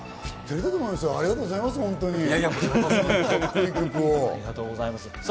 ありがとうございます。